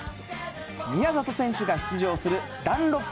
宮里選手が出場するダンロップ